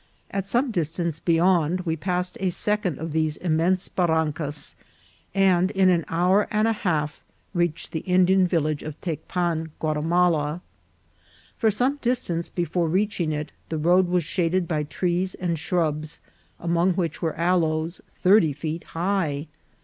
At some distance beyond we passed a second of these immense barrancas, and in an hour and a half reached the Indian village of Tec TECPAN GUATIMALA. 147 pan Guatimala. For some distance before reaching it the road was shaded by trees and shrubs, among which were aloes thirty feet high.